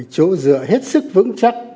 chỗ dựa hết sức vững chắc